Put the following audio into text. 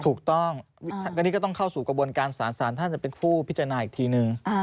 ถูกต้องอันนี้ก็ต้องเข้าสู่กระบวนการศาลศาลท่านจะเป็นผู้พิจารณาอีกทีนึง